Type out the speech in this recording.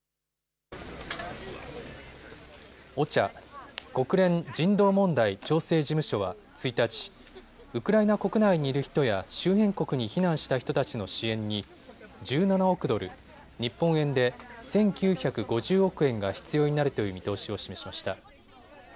ＯＣＨＡ・国連人道問題調整事務所は１日、ウクライナ国内にいる人や周辺国に避難した人たちの支援に１７億ドル、日本円で１９５０億円が必要になるという見通しを示しました。